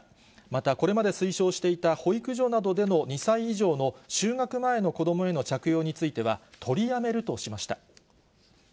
またこれまで推奨していた保育所などでの２歳以上の就学前の子どもへの着用については、取りやめるとしました。